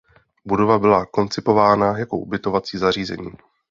Budova byla koncipována jako ubytovací zařízení.